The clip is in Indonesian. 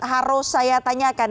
harus saya tanyakan